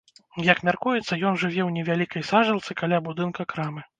Як мяркуецца, ён жыве ў невялікай сажалцы каля будынка крамы.